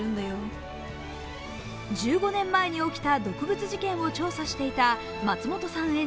１５年前に起きた毒物事件を調査していた松本さん